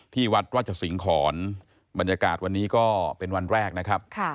ที่วัดราชสิงหอนบรรยากาศวันนี้ก็เป็นวันแรกนะครับ